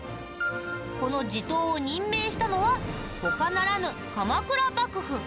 この地頭を任命したのは他ならぬ鎌倉幕府。